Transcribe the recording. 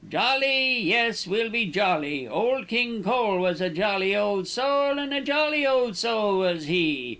"Jolly? yes, we'll be jolly. Old King Cole was a jolly old soul, and a jolly old soul was he.